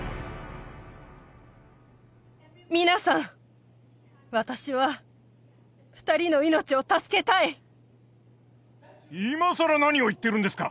皆さん私は２人の命を助けたい今さら何を言ってるんですか？